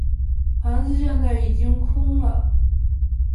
盘子现在已经空了。